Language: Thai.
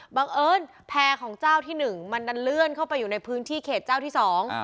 บังเอิญแพร่ของเจ้าที่หนึ่งมันดันเลื่อนเข้าไปอยู่ในพื้นที่เขตเจ้าที่สอง